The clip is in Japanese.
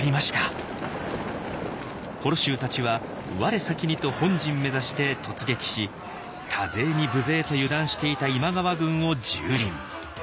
母衣衆たちは我先にと本陣目指して突撃し多勢に無勢と油断していた今川軍を蹂躙。